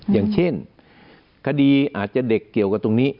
อย่างเช่นคดีอาจจะเด็กเกี่ยวกับตรงนี้